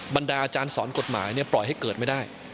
บรรดาอาจารย์สอนกฎหมายปล่อยให้เกิดไม่ได้